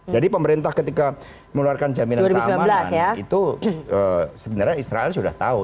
jadi pemerintah ketika mengeluarkan jaminan keamanan itu sebenarnya israel sudah tahu